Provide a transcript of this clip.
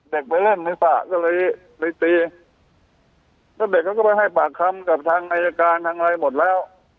เด็กไปเล่นในสระก็เลยเลยตีแล้วเด็กเขาก็ไปให้ปากคำกับทางอายการทางอะไรหมดแล้ว